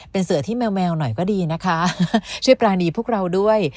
เป็นเสือที่แมวแมวหน่อยก็ดีนะคะช่วยปรานีพวกเราด้วย